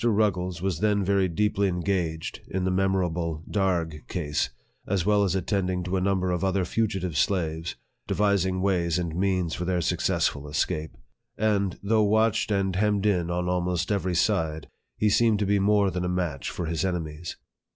Rug gles was then very deeply engaged in the memorable Darg case, as well as attending to a number of other fugitive slaves, devising ways and means for their suc cessful escape ; and, though watched and hemmed in on almost every side, he seemed to be more than a match for his enemies.